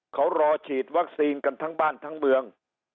เขารอฉีดวัคซีนกันทั้งบ้านทั้งเมือง